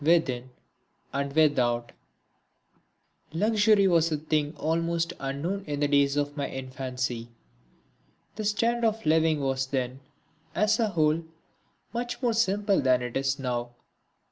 (3) Within and Without Luxury was a thing almost unknown in the days of my infancy. The standard of living was then, as a whole, much more simple than it is now.